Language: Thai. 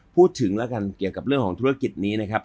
พูดถึงแล้วกันเกี่ยวกับเรื่องของธุรกิจนี้นะครับ